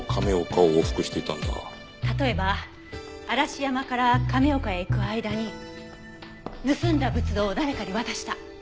例えば嵐山から亀岡へ行く間に盗んだ仏像を誰かに渡した。